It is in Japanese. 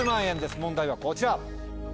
問題はこちら。